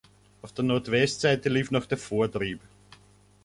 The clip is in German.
Auf der Nordwestseite lief noch der Vortrieb.